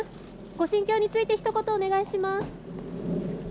ご心境についてひと言お願いします。